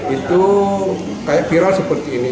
itu kayak viral seperti ini